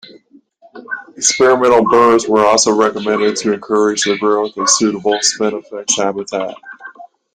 Experimental burns were also recommended to encourage the growth of suitable spinifex habitat.